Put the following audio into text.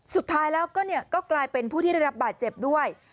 สุดท้ายแล้วก็กลายเป็นผู้ที่ได้รับบาดเจ็บด้วย